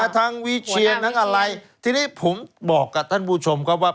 ทั้งวิเชียร์ทั้งอะไรทีนี้ผมบอกกับท่านผู้ชมก็ว่า